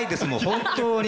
本当に。